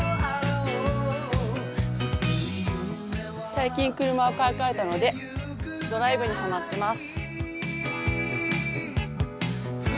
最近、車を買い替えたので、ドライブにハマってます。